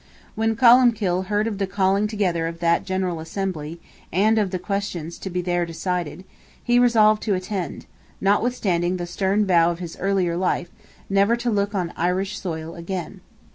When Columbkill "heard of the calling together of that General Assembly," and of the questions to be there decided, he resolved to attend, notwithstanding the stern vow of his earlier life, never to look on Irish soil again.